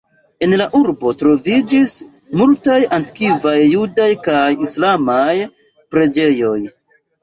En la urbo troviĝis multaj antikvaj judaj kaj islamaj preĝejoj.